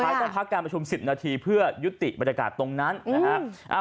ต้องพักการประชุม๑๐นาทีเพื่อยุติบรรยากาศตรงนั้นนะฮะ